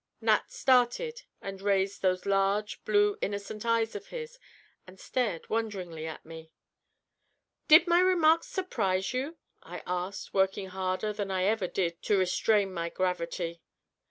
Nat started and raised those large, blue innocent eyes of his, and stared wonderingly at me. "Did my remark surprise you?" I asked, working harder than I ever did to restrain my gravity.